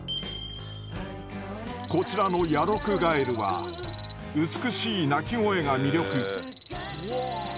こちらのヤドクガエルは美しい鳴き声が魅力。